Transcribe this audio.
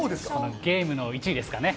ゲームの１位ですかね。